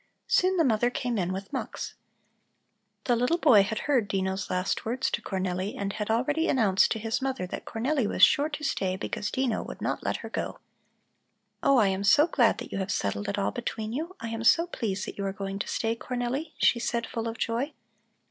Soon the mother came in with Mux. The little boy had heard Dino's last words to Cornelli and had already announced to his mother that Cornelli was sure to stay, because Dino would not let her go. "Oh, I am so glad that you have settled it all between you! I am so pleased that you are going to stay, Cornelli," she said, full of joy.